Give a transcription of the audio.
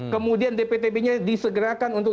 kemudian dptb nya disegerakan untuk